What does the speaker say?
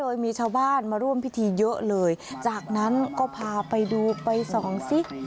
เยอะเลยจากนั้นก็พาไปดูไปสองสิ